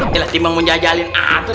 jelas timbang mau jajalin atut